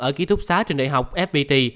ở ký thúc xá trên đại học fpt